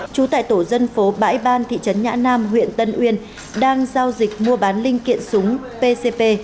trú tại tổ dân phố bãi ban thị trấn nhã nam huyện tân uyên đang giao dịch mua bán linh kiện súng pcp